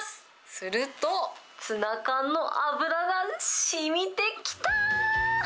すると、ツナ缶の油がしみてきたー。